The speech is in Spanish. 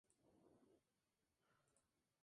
Se producían telas, como la lana, para los vestidos.